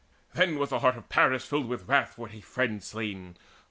Then was the heart of Paris filled with wrath For a friend slain.